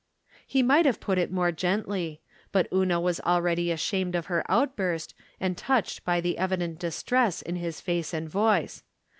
He might have put it more gently. But Una was already ashamed of her outburst and touched by the evident distress in his face and voice.